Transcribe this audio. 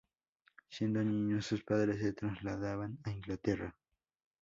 Siendo niño sus padres se trasladan a Inglaterra.